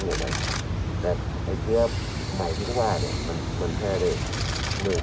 มันปลอดภัยเพราะต่างกับดูดันเอง